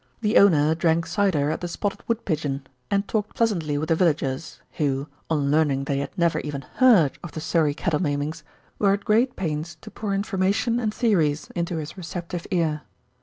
The owner drank cider at the Spotted Woodpigeon and talked pleasantly with the villagers, who, on learning that he had never even heard of the Surrey cattle maimings, were at great pains to pour information and theories into his receptive ear.